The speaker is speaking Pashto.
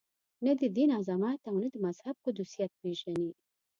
نه د دین عظمت او نه د مذهب قدسیت پېژني.